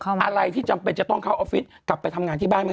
อะไรที่จำเป็นจะต้องเข้าออฟฟิศกลับไปทำงานที่บ้านไหม